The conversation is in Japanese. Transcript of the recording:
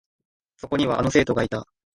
そこには、あの生徒がいた。